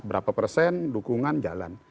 berapa persen dukungan jalan